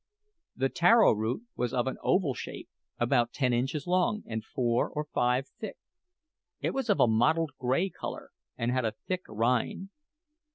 The taro root was of an oval shape, about ten inches long and four or five thick. It was of a mottled grey colour, and had a thick rind.